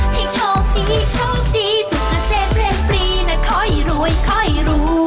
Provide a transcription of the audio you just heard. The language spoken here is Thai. ให้โชคดีโชคดีสุขด้านเสนเพลงปรีน่ะค่อยรวยค่อยรวย